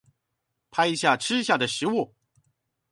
拍下吃下的食物